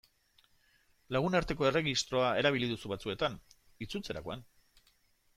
Lagunarteko erregistroa erabili duzu batzuetan, itzultzerakoan.